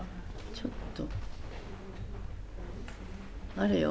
ちょっとあれよ